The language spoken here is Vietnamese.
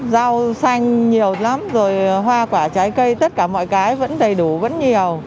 rau xanh nhiều lắm rồi hoa quả trái cây tất cả mọi cái vẫn đầy đủ vẫn nhiều